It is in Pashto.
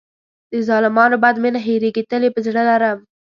د ظالمانو بد مې نه هېرېږي، تل یې په زړه لرم.